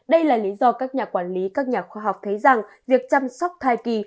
đây là lý do các nhà quản lý các nhà khoa học thấy rằng việc chăm sóc thai kỳ